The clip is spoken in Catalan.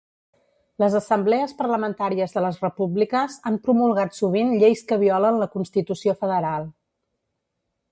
Les assemblees parlamentàries de les repúbliques han promulgat sovint lleis que violen la constitució federal.